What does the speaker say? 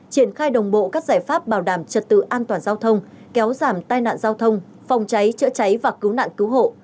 triển khai đồng bộ các giải pháp bảo đảm trật tự an toàn giao thông kéo giảm tai nạn giao thông phòng cháy chữa cháy và cứu nạn cứu hộ